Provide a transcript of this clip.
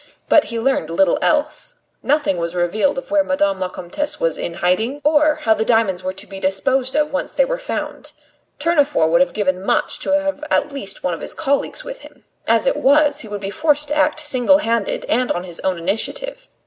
But he learned little else. Nothing was revealed of where Madame la Comtesse was in hiding, or how the diamonds were to be disposed of once they were found. Tournefort would have given much to have at least one of his colleagues with him. As it was, he would be forced to act single handed and on his own initiative.